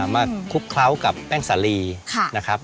คลุกเคล้ากับแป้งสาลีนะครับ